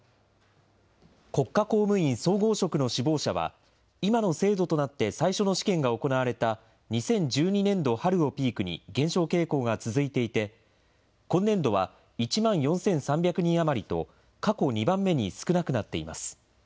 国家公務員総合職の志望者は、今の制度となって最初の試験が行われた２０１２年度春をピークに減少傾向が続いていて、今年度は１万４３００人余りと、過去２番目に少なくなっています。